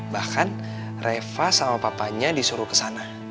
bahkan reva sama papanya disuruh kesana